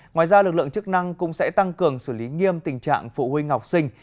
ngoài ra lực lượng chức năng cũng sẽ tăng cường xử lý nghiêm tình trạng phụ huynh học sinh